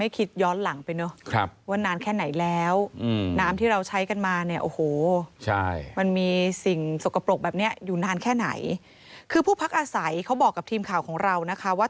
เขาบอกกับทีมข่าวของเรานะคะว่า